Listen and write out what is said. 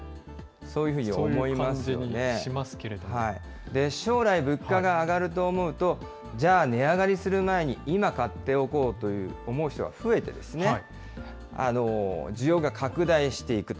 そういう感じもしますけれど将来、物価が上がると思うと、じゃあ、値上がりする前に、今買っておこうと思う人が増えて、需要が拡大していくと。